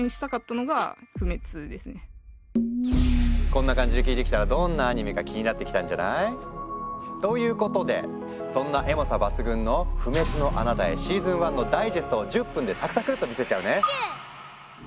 こんな感じで聞いてきたらどんなアニメか気になってきたんじゃない？ということでそんなエモさ抜群のを１０分でサクサクッと見せちゃうね。